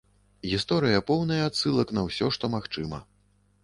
Гісторыя поўная адсылак на ўсё, што магчыма.